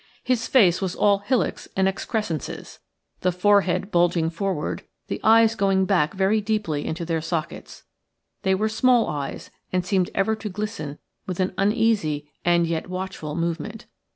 His face was all hillocks and excrescences, the forehead bulging forward, the eyes going back very deeply into their sockets; they were small eyes, and seemed ever to glisten with an uneasy and yet watchful movement.